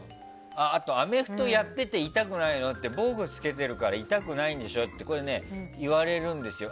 あとアメフトやってて痛くないの？って防具着けてるから痛くないでしょ？って言われるんですよ。